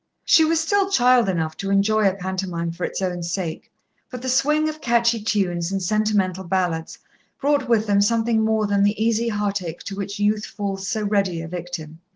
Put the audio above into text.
She was still child enough to enjoy a pantomime for its own sake, but the swing of catchy tunes and sentimental ballads brought with them something more than the easy heartache to which youth falls so ready a victim.